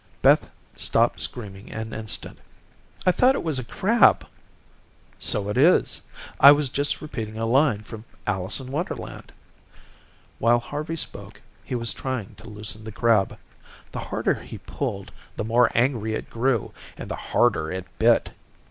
Beth stopped screaming an instant. "I thought it was a crab." "So it is. I was just repeating a line from Alice in Wonderland." While Harvey spoke, he was trying to loosen the crab. The harder he pulled, the more angry it grew, and the harder it bit.